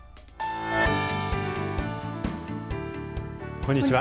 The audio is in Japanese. こんにちは。